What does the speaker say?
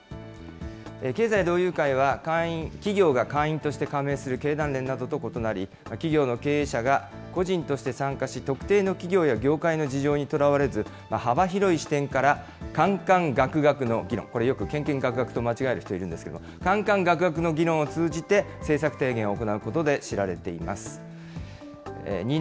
経済同友会は企業が会員として加盟する経団連などと異なり、企業の経営者が個人として参加し、特定の企業や業界の事情にとらわれず、幅広い視点から、かんかんがくがくの議論、これよくけんけんがくがくと間違える人がいるんですけれども、かんかんがくがくの議論を通じて、政策提言を行うことで知られています。